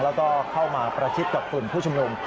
แล้วก็เข้ามาประชิดกับกลุ่มผู้ชุมนุม